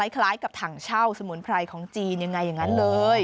คล้ายกับถังเช่าสมุนไพรของจีนยังไงอย่างนั้นเลย